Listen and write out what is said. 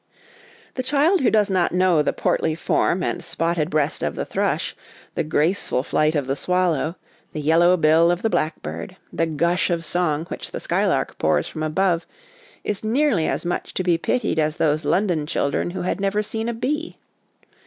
The child who does not know the portly form and spotted breast of the thrush, the graceful flight of the swallow, the yellow bill of the blackbird, the gush of song which the skylark pours from above, is nearly as much to be pitied as those London children who 'had never seen a bee.'